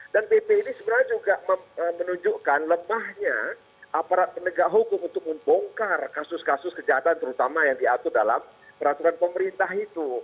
dan pp ini sebenarnya juga menunjukkan lemahnya aparat penegak hukum untuk membongkar kasus kasus kejahatan terutama yang diatur dalam peraturan pemerintah itu